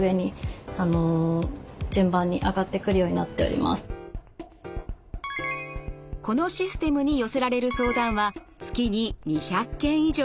ユーザー様からのこのシステムに寄せられる相談は月に２００件以上。